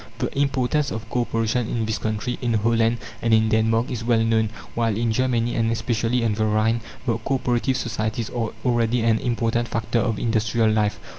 The importance of co operation in this country, in Holland and in Denmark is well known; while in Germany, and especially on the Rhine, the co operative societies are already an important factor of industrial life.